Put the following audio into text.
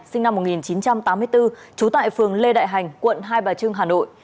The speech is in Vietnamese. sinh năm một nghìn chín trăm tám mươi bốn trú tại phường lê đại hành quận hai bà trưng hà nội